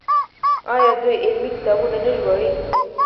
آیا دوی علمي کتابونه نه ژباړي؟